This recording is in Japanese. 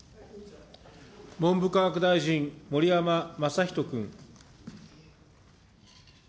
文部科学大臣、盛山正仁君。